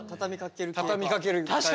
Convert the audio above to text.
畳みかける系か。